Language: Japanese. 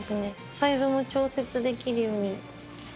サイズも調節できるように。